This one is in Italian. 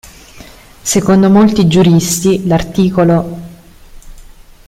Secondo molti giuristi, l'art.